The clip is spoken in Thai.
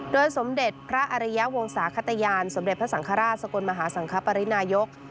สมเด็จพระอริยวงศาขตยานสมเด็จพระสังฆราชสกลมหาสังคปรินายก